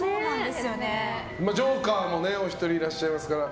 ジョーカーもお一人いらっしゃいますから。